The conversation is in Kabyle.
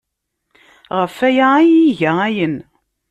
Ɣef waya ay iga ayen.